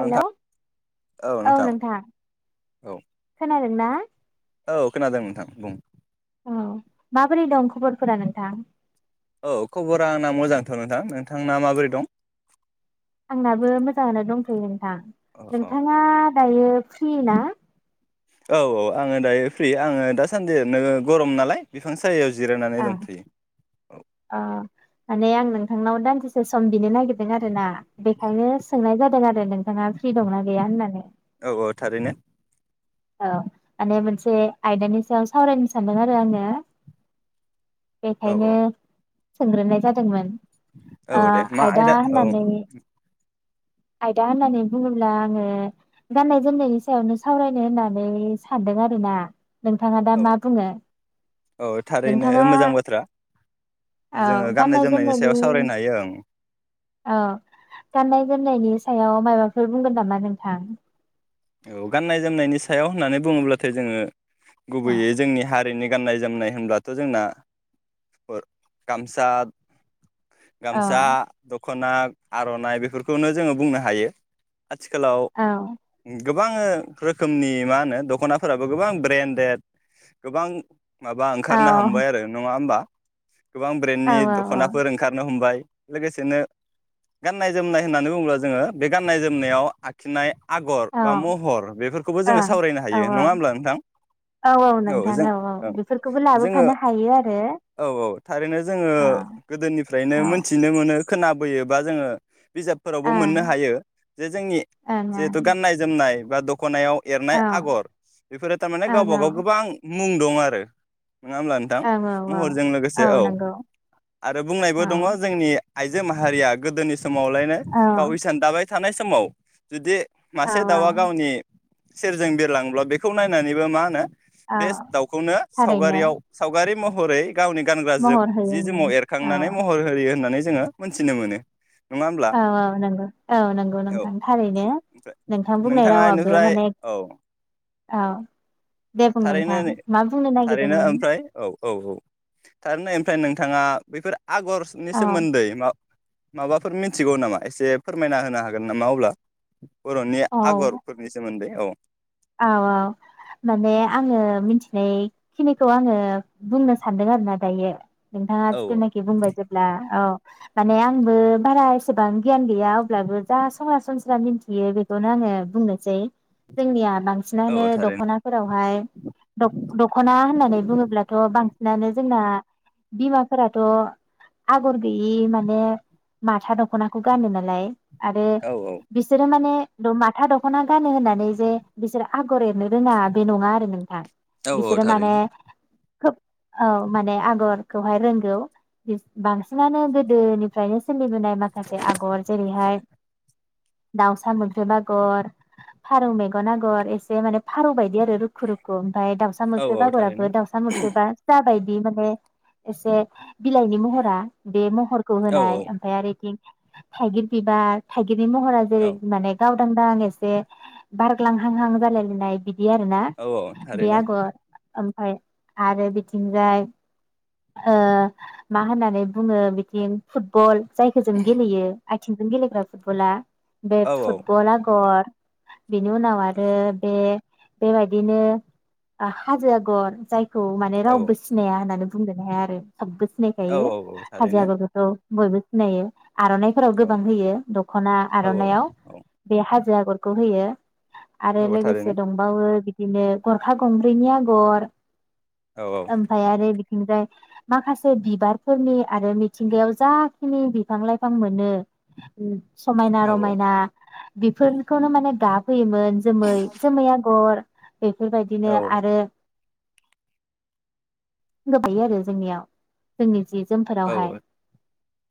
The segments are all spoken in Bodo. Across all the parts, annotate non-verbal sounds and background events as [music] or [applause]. हेल' औ नोंथां औ खोनादों ना औ खोनादों नोंथां बुं औ माबोरै दं खबरफोरा नोंथां? औ खबरा आंना मोजांथ नोंथां नोंथांना माबोरै दं। आंनाबो मोजांआनो दंथयो नों थां अ अ नोंथाङा दायो फ्रिना औ औ आङो दायो फ्रि आङो दासान्दि ओरैनो गरम नालाय बिफां सायायाव जिरायनानै आ दंथ'यो औ आ माने आं नों थांनाव दान्दिसे सम बिनो नागिरदों आरो ना बेनिखायनो सोंनाय जादों आरो नों थांआ फ्रि दंना गैया होननानै औ औ थारैनो औ माने मोनसे आयदानि सायाव सावरायनो सानदों आरो आङो औ औ बेखायनो सोंग्रोनाय जादोंमोन औ आ दे मा आयदा औ होननानै आयदा होन्नानै बुङोब्ला आङो गान्नाय जोमनायनि सायावनो सावरायनो होन्नानै सान्दों आरो ना। नोंथाङा दा औ मा बुङो। औ थारैनो नोंथाङा मोजां बाथ्रा औ जोङो गाननाय गान्नाय जोमनायनि सायाव सावरायनो हायो ओं औ गान्नाय जोमनायनि सायाव मायाबाफोर बुंगोन नामा नोंथां? औ गान्नाय जोमनायनि सायाव होन्नानै बुङोब्लाथाय जोङो औ गुबैयै जोंनि हारि ओरैनि गान्नाय जोमनाय होनब्लाथ जोंना गामसा औ गामसा, द दख'ना आर'नाइ बेफोरखौनो जोङो बुंनो हायो। आथिखालाव औ गोबां रोखोमनि मा होनो दख'नाफोराबो गोबां ब्रेन्डेड गोबां माबा औ ओंखारनो हामबाय आरो नङा होमबा? गोबां औ ब्रेन्डनि औ दख'नाफोर ओंखारनो हमबाय। लोगोसेनो गान्नाय जोमनाय होन्नानै बुङोब्ला जोङो बे गान्नाय जोमनायाव आखिनाय आग'र बा ओं महर बेफोरखौबो जोङो सावरायनो औ औ हायो नङा होमब्ला नोंथां? औ नोंथां जों औ बेफोरखौबो जोङो लाबोफानो हायो आरो औ औ थारैनो जोङो औ गोदोनिफ्रायनो औ मोन्थिनो मोनो खोनाबोयोबा जोङो बिजाबफोरावबो ओं मोन्नो हायो जे जोंनि ओं ओं जिहेथु गान्नाय नाय बा दख ख'नायाव एरनाय औ आग'र बेफोरो टारमाने ओं गावबा औ गाव गोबां मुं दं आरो नङा होमब्ला नोंथ? ां ओं औ महरजों लोगोसे औ औ। नंगौ आरो बुंनायबो औ दङ जोंनि आइजो माहारिया गोदोनि समावलायनाय औ गाव हिसान दाबाय थानाय समाव जुदि औ मासे दावा गावनि सेरजों बिरलांब्ला बेखौ नायनानैबो मा होनो औ बेस दाउखौनो थारैनो सावगारियाव सावगारि महरै गावनि गानग्रा जोब महर जि होयोमोन जोमाव औ एरखांनानै महर होयो होन्नानै जोङो मोननथिनो मोनो। औ औ नोंगौ औ नोंगौ औ नोंथां थारैनो। ओमफ्राय नोंथां बुंनाय नोंथाङा रावाबो बेनिफ्राय माने औ औ दे बुं थारैनो नोंथां नै मा बुंनो थारैनो नागिरदोंमोन ओमफ्राय औ औ औ थारैनो ओमफ्राय नोंथाङा बेैफोर आगरसनि औ सोमोन्दै मा माबाफोर मिन्थिगौ नामा एसे फोरमायना होनो हागोन नामा अब्ला बरनि आगरफोरनि सोमोन्दै औ आव आव माने आङो मिथिनायखिनिखौ आङो बुंनो सानदों आरोना दायो नोंथाङा औ जेथुनाखि बुंबाय जेब्ला औ माने आंबो बारा एसेबां गियान गैया अब्लाबो जा सरासनस्रा मिन्थियो बेखौनो आङो बुंनोसै जोंनिया औ बांसिनानो थारैनो दखनाफोरावहाय दख दखना होननानै बुङोब्लाथ बांसिनानो जोंना बिमाफोराथ आगर गैयि माने माथा दखनाखौ गानो नालाय आरो औ बिसोरो माने द माथा दखना गानो होननानै जे बिसोरो आगर एरनो रोङा बे नङा आरो नोंथां औ औ बिसोरो माने थारैनो खोब औ माने आगरखौहाय रोंगौ बिस बांसिनानो गोदोनिफ्रायनो सोलिबोनाय माखासे आगर जेरैहाय दाउसा मोख्रेब आगर फारौ मेग गन आगर एसे माने फारौ बायदि आरो रुखु रुखु ओमफ्राय दाउसा औ मोख्रेब औ थारैनो आगराबो दाउसा मोख्रबा जाबायद बि माने एसे बिलाइनि महरा बे महरखौ औ होनाय ओमफ्राय आरो इथिं थाइगिर बिबार थाइ [unintelligible] नि महरा औ जेरै माने गाव [unintelligible] एसे बारग्लां हां हां जालायलायनाय बिद बिदि आरो ना औ औ बे थारैनो आगर ओमफाय आरो बिथिंजाय ओ मा होननानै बुङो बिथिं फुटबल जायखौ जों गेलेयो आथिंजों गेलेग्रा फुटबला बे औ औ फुटबल आगर बेनि उनाव आरो बे बेबायदिनो हाजो आगर जाय खौ माने औ रावबो सिनाया होनानैब बुंनोनो हाया आरो थाबबो औ सिनायखायो औ हाजो थारैनो आगरखौथ बयबो सिनायो आरनाइफोराव औ गोबां होयो दखना औ औ आरनायाव बे हाज जो आगरखौ होयो। आरो औ थारैनो लोगोसे दंबावो बि बिदिनो गरखा गंब्रैनि आगर औ ओमफाय आरो ओमफ्राय माखासे बिबारफोरनि आरो मिथिंगायाव जाखिनि बिफां लाइफां मोनो समायना औ रमायना बेफोरखौनो माने गाब होयोमोन जोमै-जोमै आगर औ बेफोरबायदिनो आरो गोबायो आरो जोंनिया जोंनि जि औओ जोमफोरावहाय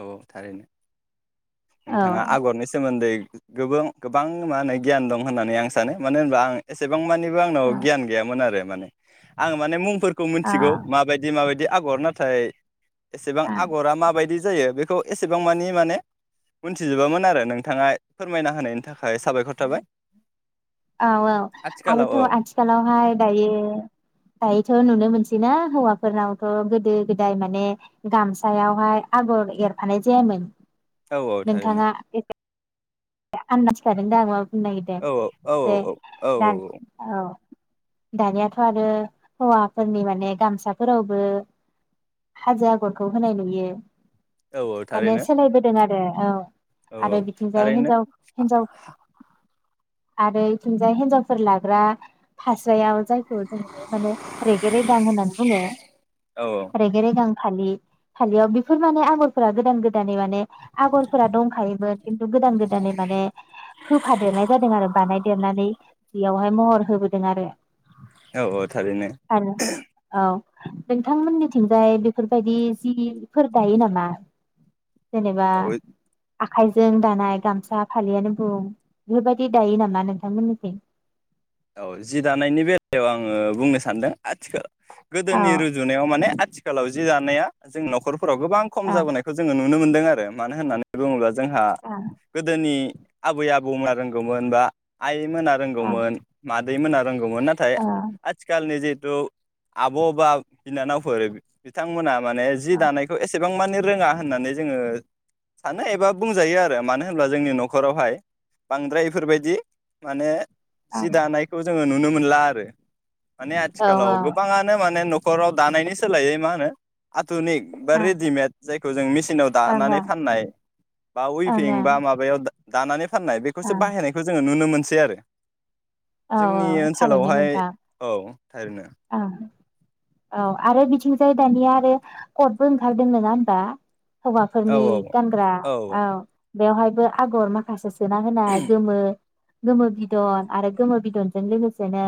औ थारैनो औ नोंथांङा आगरनि सोमोन्दै गोबों गोबां मा होनो गियान दं होननानै आं सानो मानो होनबा आं एसेबां मानि यो आंनाव औ गियान गैयामोन आरो माने आं माने मुं फोर खौ औ मिथिगौ माबायदि माबायदि दि आगर नाथाय एसेबां औ आगरा माबायदि जायो बे खौ एसेबां मानि माने मोनथिजोबामोन आरो नोंथांङा फोरमायना होनायनि थाखाय साबायखर थाबाय औऔ आथिखालाव आरोथ औ आथिखालावहाय दायो दायोथ नुनो मोनसै ना? हौवाफोरनावथ गोदो गोदाय माने गामसायावहाय आगर एरफानाय जायामोन। औ औ थारैनो नोंथांङा [unintelligible] आनदास थागोन दा [unintelligible] नायगिदो औ औ दे औ औ दा औ दानियाथ आरो हौवाफोरनि माने गामसाफोरावबो हाजो आगरखौ होनाय नुयो। औ औ माने थारैनो सोलायबोदों आरो। औ औ औ थारैनो जाव हिन्जाव आरो इथिंजाय हिन्जावफोर लाग्रा फास्रायाव जायखौ जोंङो माने रेगे-रेगां होननानै बुंङो। औ रेगे -रेगां फालि फालियाव बेफोर माने आगरफोरा गोदान गोदानै माने आगरफोरा दंखायोमोन खिन्थु गोदान गोदानै दानै माने होफादेरनाय जादों आरो बानायदेरनानै बेयावहाय महर होबोदों आरो औ औ थारैनो। आरो औ नोंथांमोननिथिंजाय बेफोरबायदि जिफोर दायो नामा? जेनेबा औ आखाइजों दानाय गामस स्रा फालियानो बुं बेफोरबायदि दायो नामा नोंथांमोननिथिं? औ जि दानायनि बेलायाव आङो बुंनो सानदों आथिखाल औ गोदोनि रुजुनायाव माने आथिखालाव जि दानाया जोंनाव फोराव गोबां खम ओं जाबोनायखौ जों नु नुनो मोनदों आरो मानो होननानै बुङोब्ला जोंहा ओं गोदोनि आबै आबौमोना रोंगौमोन बा आइ मोना ओं रोंगौमोन मादैमोना रोंगौमोन नाथाय औ आथिखालनि जे खौ आब बा बिनानावफोर बि बिथांमोना माने जि औ दानायखौ एसेबां माने रोङा होननानै जोङो सानो एबा बुंजायो आरो, मानो होनब्ला जोंनि नखरावहाय बांद्राय बेफोरबायदि माने औ जि दानायखौ जोङो नुनो मोनला आरो माने औ आथिखालाव गोबाङानो माने न खराव दानायनि सोलायै मा होनो धुनिक बा ओं रेडिमेड जायखौ जों मेसिनाव ओं दानानै ओं फाननाय बा ओं उइपिं ओं बा माबायाव दानानै फाननाय बेखौसो ओं बाहायनायखौ जोङो नुनो मोनो सै आरो औ जोंनि औ थारैनो ओनसोलावहाय नोंथां औ थारैनो ओं औ आरो बिथिंजाय दानिया आरो कटबो ओंखारदों नङा होनबा? औ हौवाफोरनि औ गानग्रा औ। बेवहायबो आगर माखासे सोना होनाय गोमो गोमो बिदन आरो गोमो बिदनजों लोगोसेनो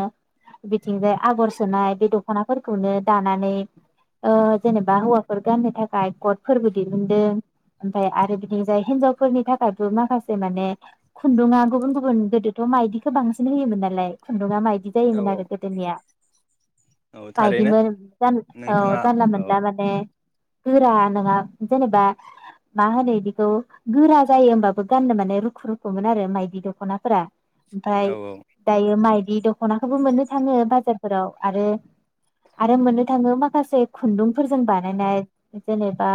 बिथिंजाय आगर सोनाय बे दखनाफोरखौनो दानानै ओ जेनेबा हौवाफोर गाननो थाखाय गदफोरबो दिहुनदों ओमफ्राय आरो बिदिनि जाय हिनजावफोरनि थाखायबो माखासे माने खुन्दुंआ गुबुन गुबुन गोदोथ' मायदिखौ बांसिन होयोमोन नालाय खुन्दुङा माइदि बिदि औ जायोमोन आरो गोदोनिया। औ थारैनो बायदिमोन जान औ नोंथाङा जानला औ मोनला माने गोरा नोङा जेनेबा मा होनो बिदिखौ गोरा जायो होमबाबो गाननो माने रुखु रुखुमोन आरो माइदि दखनाफोरा। ओमफ्राय औ औ दायो माइ बि दखनाखौबो मोननो थाङो बाजारफोराव। आरो आरो मोननो थाङो माखासे खुन्दुंफोरजों बानायनाय जेनेबा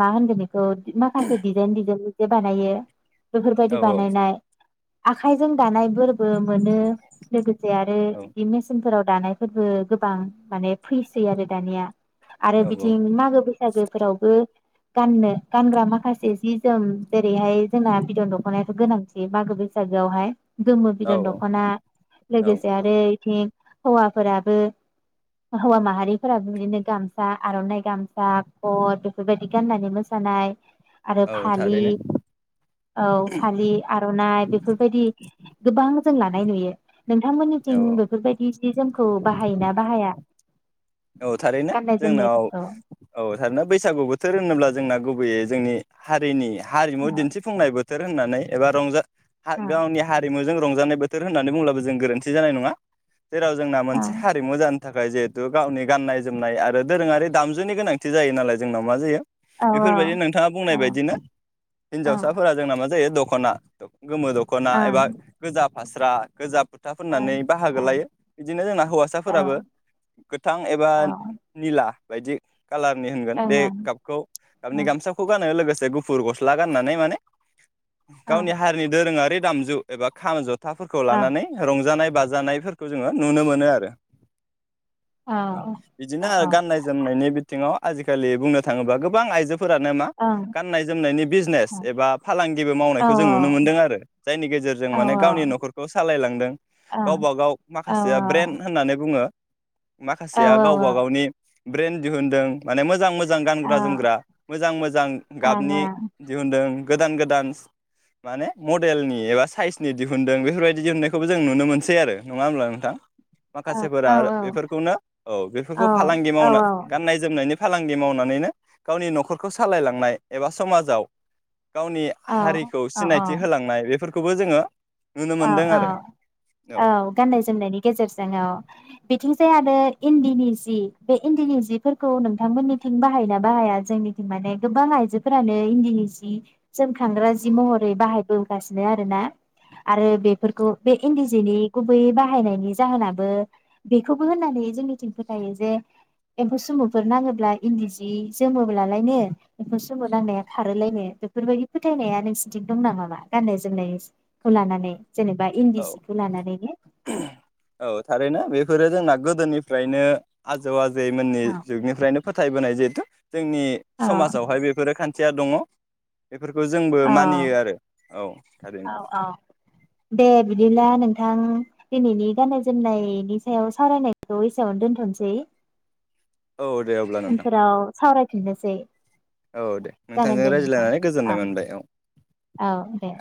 मा होनगोन माखासे डिजाइन डिजाइन जे बानायो। बेफोरबायदि औ बानायनाय। आखाइजों दानायफोरबो मोनो लोगोसे आरो बिदि औ मेसिनफोराव दानाय। फोरबो गोबां माने फैसै आरो दानिया। आरो बिदि औ मागो बैसागोफोरावबो गाननो गानग्रा माखासे जि जोम जेरैहाय जोंना बिदन दख'नायाथ' गोनांथि मागो बैसागोआवहाय गोमो औ बिदान औ दखना औ लोगोसे आरो बिथिं हौवा। फोराबो हौवा माहारिफोराबो बिदिनो गामसा आरनाइ गामसा खद बेफोरबायदि गाननानै मोसानाय आरो औ फालि थारैनो औ फालि आरनाइ बेफोरबायदि गोबां जों लानाय नुयो। औ नोंथांमोननिथिं बेफोरबायदि जि जोम खौ बाहायोना बाहाया औ थारैनो गाननाय जोंनाव जोमनायफोरखौ औ थारैनो बैसागु बोथोर होनोब्ला जोंना गुबैयै जोंनि हारिनि हारिमु औ दिन्थिफुंनाय बोथोर बोथोर होननानै एबा रंजा औ गावनि हारिमु जों रंजानाय बोथोर होननानै बुंबाबो जों गोरोन्थि जानाय नङा। जेराव जोंना औ मोनसे हारिमु जानो थाखाय जिहेतु गावनि गाननाय जोमनाय आरो दोरोङारि दामजुनि गोनांथि जायो नालाय जोंनाव मा जायो बेफोरबायदि नोंथाङा बुंनाय औ बायदिनो औ हिनजावसाफोरा जोंना मा जायो द खना। गोमो दखना ओं एबा गोजा। फास्रा गोजाब फुथा फोननानै बाहागो ओं लायो बिदिनो जोंना हौवासाफोराबो औ गोथां एबा औ ओं निला। बायदि। कालारनि होनगोन बे ओं गाबखौ गाबनि ओं गामसाखौ गानो लोगोसे से गुफुर गस्ला गाननानै माने ओं गावनि हारिनि दोरोङारि। दामजु एब खाम ज थाफोरखौ ओं लानानै रंजानाय। बाजानायफोरखौ जोङो नुनो मोनो आरो। औ बिदिनो औ औ गाननाय जोमनायनि बिथिङाव आजिखालि बुंनो थाङोबा गोबां आइजो फोरानो मा ओं गाननाय जोमनायनि बिजिनेस एबा फालांगिबो औ मावनायखौ जों नुनो मोन्दों आरो जायनि गेजेरजों माने गावनि औ नखरखौ सालायलांदों ओं गावबा गाव औ माखासेया औ ब्रेन्ड होननानै बुङो। औ माखासेया गावबा औ गावनि ब्रेेन्ड दिहुनदों माने मोजां मो जां औ गानग्रा जोमग्रा मोजां मोजां औ गाबनि दिहुनदों। गोदान गोदान माने मडेलनि एबा साइसनि दिहुनन्दों बेफोरबायदि दिहुननायखौबो जों नुनो मोनसै आरो नङा होमब्ला नोंथां? ओं माखासेफोरा ओं बेफोर खौनो औ बेफोरखौ फालांगि औ मावनो गाननाय जोमनायनि फालांगि मावनानैनो गावनि नखरखौ सालायलांनाय एबा समाजाव गावनि हारिखौ सिनायथि होलांनाय बेफोर खौबो जोङो नुनो ओ मोनदों ओ आरो औ गाननाय जोमनायनि गेजेरजों औ बिथिंजाय आं रो इन्दिनि जि बे इन्दिनि जिफोरखौ नोंथांमोननिथिं बाहायना बाहाया जोंनिथिं माने गोबां आइजोफोरानो इन्दिनि जि जोमखांग्रा जि महरै बाहायबोगासिनो आरोना। आरो बेफोरखौ बे इन्दि दिनि गुबैयै बाहायनायनि जाहोनाबो बेखौबो होननानै जोंनिथिं फोथायो जे एम्फौ सोमुफोर नाङोब्ला इन्दि जि जोमोब्लालायनो एम्फौ सोमु नांनाया खारोलायनो बेफोरबायदि फोथायनाया नोंसिनिथिं दं नामामा गाननाय जोमनाय खौ लानानै। जेनेबा इन्दि औ जिखौ लानानैनो। औ थारैनो बेफोरो जोंना गोदोनिफ्रायनो आजौ आ जै मोननि अ जुगनिफ्रायनो फोथाय बोनाय [unintelligible] जोंनि अ समाजावहाय बेफोरो खान्थि। थिया दङ। बेफोरखौ जोंबो मानियो आरो औ औ थारैनो। औ दे बिदिब्ला नोंथां दिनैनि गाननाय जोमनायनि सायाव सावरायनायखौ एसेयावनो दोनथनोसै। औ दे अब्ला नोंथां उनफोराव सावराय। [inaudible] सै औ दे नोंथांजों रायज्लायनानै औ गोजोननाय मोनबाय। औ औ दे।